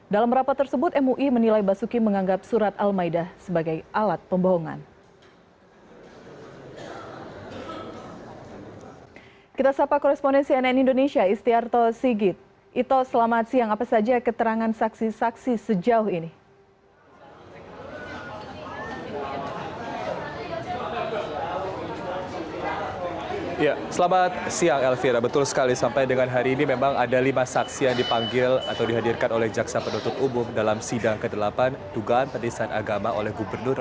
dalam rapat tersebut mui menilai basuki menganggap surat al ma'idah